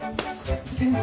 先生